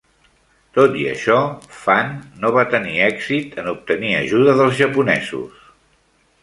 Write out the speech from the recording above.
Tot i això, Phan no va tenir èxit en obtenir ajuda dels japonesos.